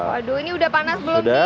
waduh ini udah panas belum nih